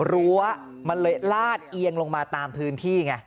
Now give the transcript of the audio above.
รั้วมันเลยลาดเอียงลงมาตามพื้นที่ไง